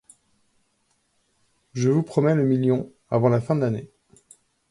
Je vous promets le million avant la fin de l'année.